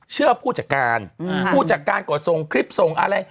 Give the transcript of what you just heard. ผู้จัดการผู้จัดการก็ส่งคลิปส่งอะไร